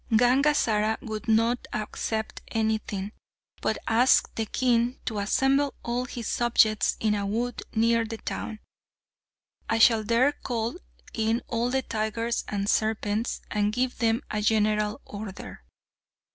Gangazara would not accept anything, but asked the king to assemble all his subjects in a wood near the town. "I shall there call in all the tigers and serpents, and give them a general order."